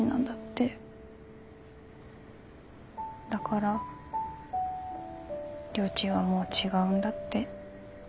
だからりょーちんはもう違うんだって。